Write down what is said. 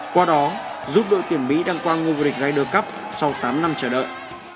qua đó giúp đội tuyển mỹ đăng quang ngôi vô địch raider cup sau tám năm chờ đợi